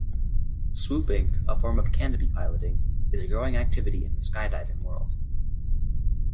"Swooping," a form of canopy piloting, is a growing activity in the skydiving world.